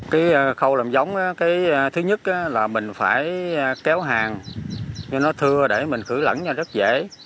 cái khâu làm giống cái thứ nhất là mình phải kéo hàng cho nó thưa để mình cử lẫn cho rất dễ